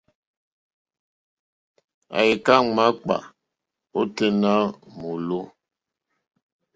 Àyíkâ máǎkpà ôténá mɔ̌lɔ̀.